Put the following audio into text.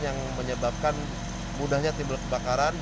yang menyebabkan mudahnya timbul kebakaran